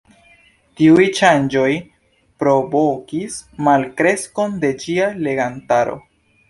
Tiuj ŝanĝoj provokis malkreskon de ĝia legantaro.